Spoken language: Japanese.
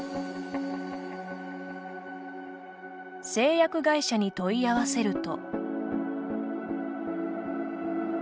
製薬会社に問い合わせると。